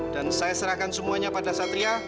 dan saya serahkan semuanya pada satria